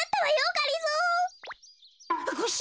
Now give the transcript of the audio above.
がりぞー。